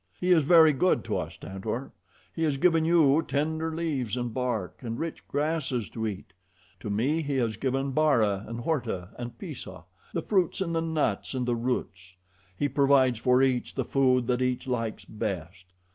He is very good to us, Tantor; He has given you tender leaves and bark, and rich grasses to eat; to me He has given Bara and Horta and Pisah, the fruits and the nuts and the roots. He provides for each the food that each likes best.